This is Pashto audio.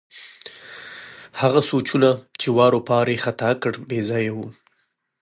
هغه سوچونه چې واروپار یې ختا کړ، بې ځایه وو.